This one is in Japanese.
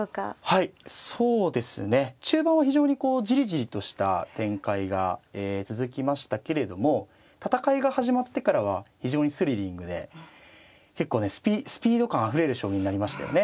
はいそうですね中盤は非常にこうジリジリとした展開が続きましたけれども戦いが始まってからは非常にスリリングで結構ねスピード感あふれる将棋になりましたよね。